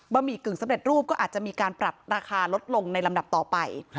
หมี่กึ่งสำเร็จรูปก็อาจจะมีการปรับราคาลดลงในลำดับต่อไป